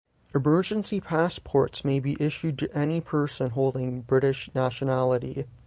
Emergency passports may be issued to any person holding British nationality.